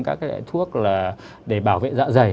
các cái thuốc để bảo vệ dạ dày